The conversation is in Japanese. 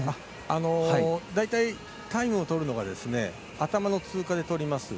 大体タイムをとるのが頭の通過でとります。